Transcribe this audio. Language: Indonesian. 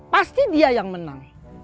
pasti dia yang menang